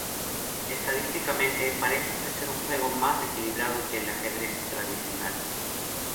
Estadísticamente parece ofrecer un juego más equilibrado que el ajedrez tradicional.